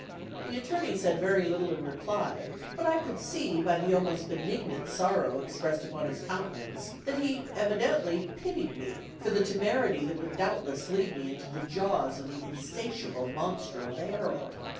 The attorney said very little in reply; but I could see, by the almost benignant sorrow expressed upon his countenance, that he evidently pitied me for the temerity that would doubtless lead me into the jaws of the insatiable monster of the Herald.